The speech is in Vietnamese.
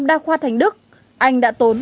đa khoa thành đức anh đã tốn